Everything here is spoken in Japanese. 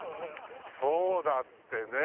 そうだってね。